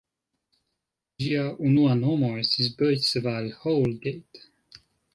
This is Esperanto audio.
Ĝia unua nomo estis "Beuzeval-Houlgate".